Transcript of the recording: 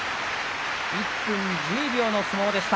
１分１０秒の相撲でした。